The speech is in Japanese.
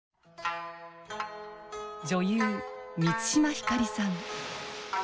女優満島ひかりさん。